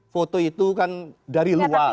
foto itu kan dari luar